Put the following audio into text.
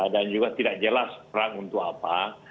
dan juga tidak jelas perang untuk apa